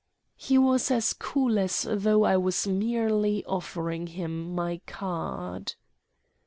He was as cool as though I was merely offering him my card.